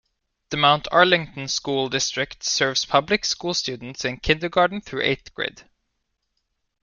The Mount Arlington School District serves public school students in kindergarten through eighth grade.